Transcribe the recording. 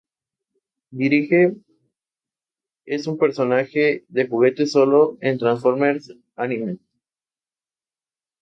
Al sur del parque se notan cuatro casas de mayor tamaño que el resto.